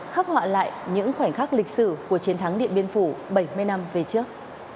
khắc họa lại những khoảnh khắc lịch sử của chiến thắng điện biên phủ bảy mươi năm về trước